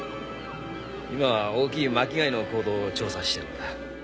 今は大きい巻き貝の行動を調査してるんだ。